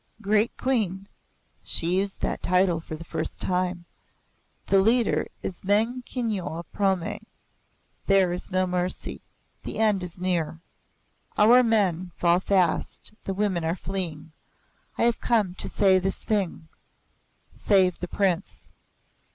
"Great Queen" she used that title for the first time "the leader is Meng Kyinyo of Prome. There is no mercy. The end is near. Our men fall fast, the women are fleeing. I have come to say this thing: Save the Prince."